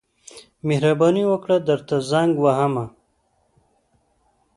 مهرباني وکړه درته زنګ ووهم.